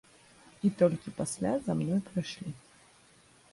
І толькі пасля за мной прыйшлі.